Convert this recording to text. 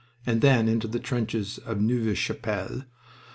And then into the trenches at Neuve Chapelle.